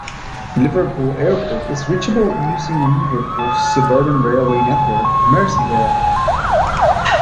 Liverpool Airport is reachable using Liverpool's suburban railway network, Merseyrail.